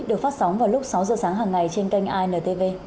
được phát sóng vào lúc sáu giờ sáng hàng ngày trên kênh intv